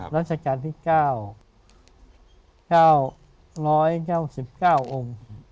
รัชกาลที่๙๑๙๔๙อ่ม